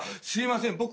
すいません